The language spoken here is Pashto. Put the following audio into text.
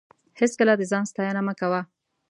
هېڅکله د ځان ستاینه مه کوه.